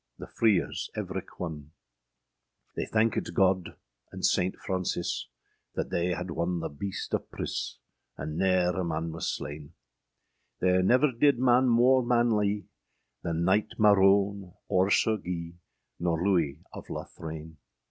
The freers evrich one. They thankyd God and Saynte Frauncis, That they had wonne the beaste of pris, And nere a man was sleyne: There never didde man more manlye, The Knyght Marone, or Sir Guye, Nor Louis of Lothraine.